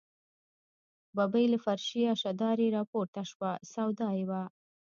ببۍ له فرشي اشدارې راپورته شوه، سودا یې وه.